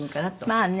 まあね。